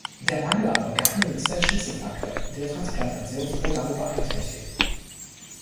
Der Mangel an Organen ist ein Schlüsselfaktor, der Transplantationsprogramme beeinträchtigt.